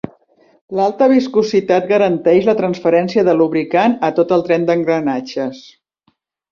L'alta viscositat garanteix la transferència de lubricant a tot el tren d'engranatges.